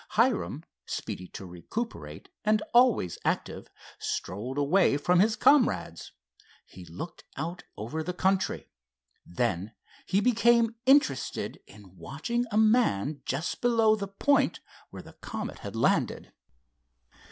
Hiram, speedy to recuperate and always active, strolled away from his comrades. He looked out over the country. Then he became interested in watching a man just below the point where the Comet had landed.